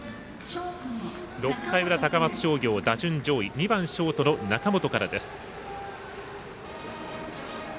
６回の裏、高松商業打順上位、２番ショートの中本からです。